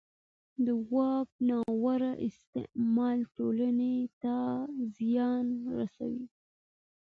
د واک ناوړه استعمال ټولنې ته زیان رسوي